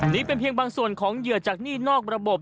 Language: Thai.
นี่เป็นเพียงบางส่วนของเหยื่อจากหนี้นอกระบบ